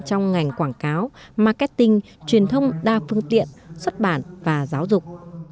trong ngành quảng cáo marketing truyền thông đa phương tiện xuất bản và giáo dục